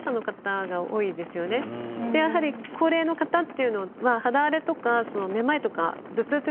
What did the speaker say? やはり高齢の方っていうのは。